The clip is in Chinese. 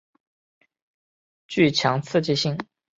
具强刺激性。